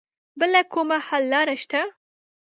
بله کومه حل لاره شته